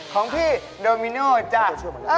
ของพี่โดมิโน่จ้า